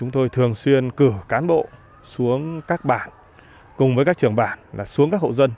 tôi thường xuyên cử cán bộ xuống các bản cùng với các trưởng bản xuống các hộ dân